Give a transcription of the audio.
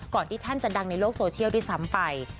ที่ท่านจะดังในโลกโซเชียลด้วยซ้ำไป